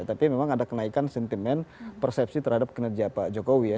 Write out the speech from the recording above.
tapi memang ada kenaikan sentimen persepsi terhadap kinerja pak jokowi ya